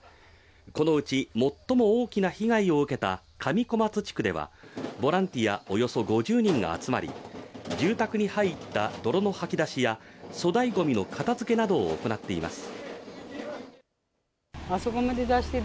このうち最も大きな被害を受けた上小松地区では、ボランティアおよそ５０人が集まり、住宅に入った泥のはき出しや粗大ごみの片づけなどを行っています。